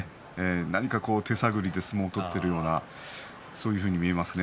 何か手探りで相撲を取っているような、そんなふうに見えますね。